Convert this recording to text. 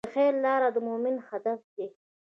د خیر لاره د مؤمن هدف دی.